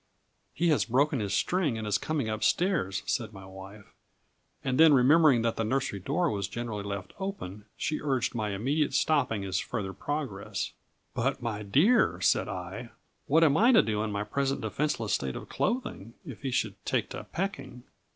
"He has broken his string, and is coming up stairs," said my wife; and then, remembering that the nursery door was generally left open, she urged my immediately stopping his further progress. "But, my dear," said I, "what am I to do in my present defenceless state of clothing, if he should take to pecking?"